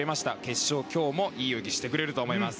決勝でもいい泳ぎをしてくれると思います。